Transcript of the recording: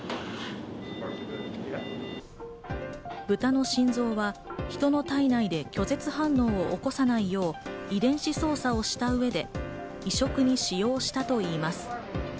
ブタの心臓は人の体内で拒絶反応を起こさないよう遺伝子操作をした上で移植に使用したといいます。